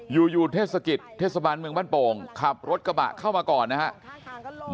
อยู่เทศกิจเทศบาลเมืองบ้านโป่งขับรถกระบะเข้ามาก่อนนะครับ